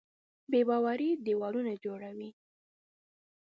بېباوري دیوالونه جوړوي.